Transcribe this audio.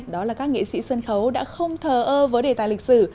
đó là các nghệ sĩ sân khấu đã không thờ ơ với đề tài lịch sử